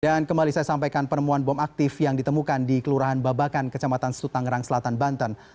dan kembali saya sampaikan penemuan bom aktif yang ditemukan di kelurahan babakan kecamatan sutang rang selatan banten